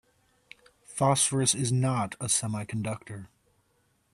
Phosphorus is not a semiconductor.